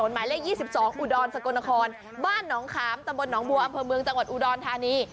หมายเลข๒๒อุดรสกลนครบ้านหนองขามตำบลหนองบัวอำเภอเมืองจังหวัดอุดรธานี